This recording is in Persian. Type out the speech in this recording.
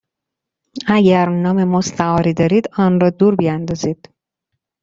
اگر نام مستعاری دارید آن را دور بیاندازید.